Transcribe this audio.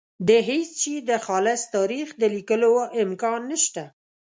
د هېڅ شي د خالص تاریخ د لیکلو امکان نشته.